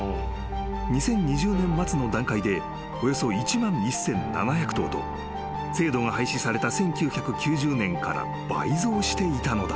［２０２０年末の段階でおよそ１万１，７００頭と制度が廃止された１９９０年から倍増していたのだ］